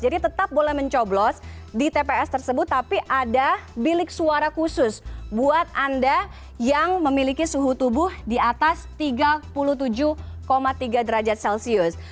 jadi tetap boleh mencoblos di tps tersebut tapi ada bilik suara khusus buat anda yang memiliki suhu tubuh di atas tiga puluh tujuh tiga derajat celcius